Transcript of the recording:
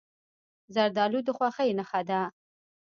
زردالو د خوښۍ نښه ده.